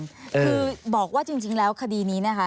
คือบอกว่าจริงแล้วคดีนี้นะคะ